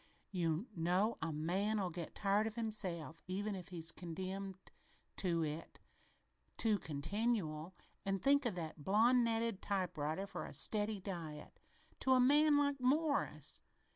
"You know a man'll get tired of himself, even, if he's condemned to it too continual, and think of that blondinetted typewriter for a steady diet to a man like Morris!